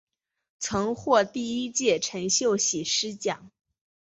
曾获第一届陈秀喜诗奖。